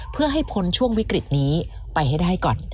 เพื่อให้พ้นช่วงวิกฤตนี้ไปให้ได้ก่อน